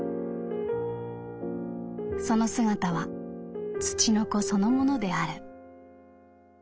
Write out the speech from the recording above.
その姿は『つちのこ』そのものである」。